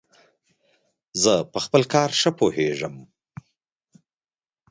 زه په خپل کار ښه پوهیژم.